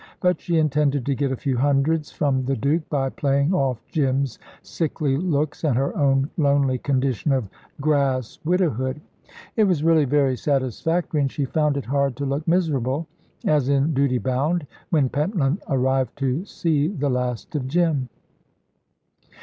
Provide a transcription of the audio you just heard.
But she intended to get a few hundreds from the Duke, by playing off Jim's sickly looks and her own lonely condition of grass widowhood. It was really very satisfactory, and she found it hard to look miserable, as in duty bound, when Pentland arrived to see the last of Jim.